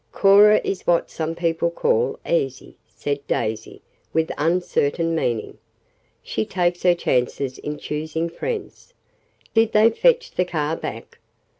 "Cora is what some people call 'easy,'" said Daisy with uncertain meaning. "She takes her chances in choosing friends." "Did they fetch the car back?"